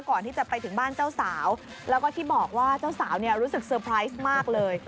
ก่อนที่จะไปถึงบ้านเจ้าสาวแล้วก็ที่บอกว่าเจ้าสาวเนี่ยรู้สึกเซอร์ไพรส์มากเลย